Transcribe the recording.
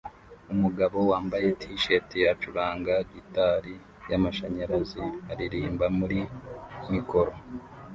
Umugabo wambaye t-shirt acuranga gitari yamashanyarazi aririmba muri mikoro